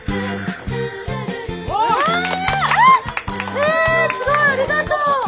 うわえすごいありがとう！